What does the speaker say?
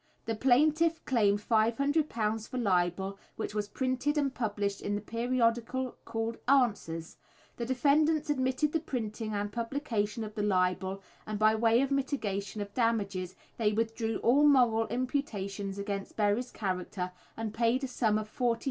The plaintiff claimed £500 for libel, which was printed and published in the periodical called "Answers;" the defendants admitted the printing and publication of the libel, and by way of mitigation of damages they withdrew all moral imputations against Berry's character and paid a sum of 40s.